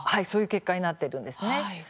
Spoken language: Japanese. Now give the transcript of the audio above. そういう結果になっています。